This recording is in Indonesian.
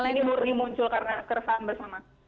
ini murni muncul karena keresahan bersama